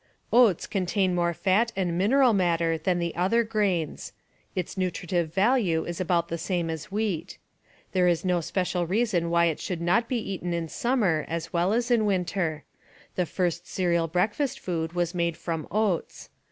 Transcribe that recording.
Oats contain more fat and mineral matter than the other grains. Its nutritive value is about the same as wheat. There is no special reason why it should not be eaten in summer as well as in winter. The first cereal breakfast food was made from oats.